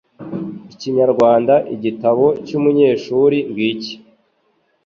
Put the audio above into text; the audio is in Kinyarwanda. Ikinyarwanda Igitabo cy'umunyeshuri ngicyi